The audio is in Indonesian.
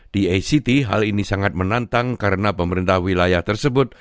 di act hal ini sangat menantang karena pemerintah wilayah tersebut